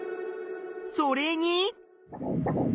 それに。